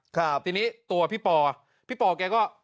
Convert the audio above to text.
เดี๋ยวในตัวพี่ปอพี่ปอแกก็